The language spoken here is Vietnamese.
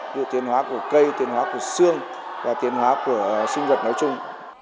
tiến hóa của cây tiến hóa của xương và tiến hóa của sinh vật nói chung